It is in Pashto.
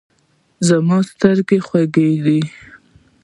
زما سترګې خوږیږي